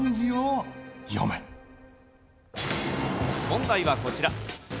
問題はこちら。